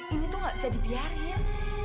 ini tuh gak bisa dibiarin